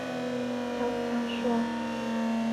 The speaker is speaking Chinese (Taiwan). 悄悄說